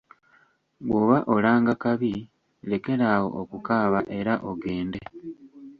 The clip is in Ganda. Bw’oba olanga kabi lekeraawo okukaaba era ogende.